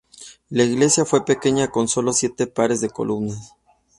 La iglesia fue pequeña, con sólo siete pares de columnas.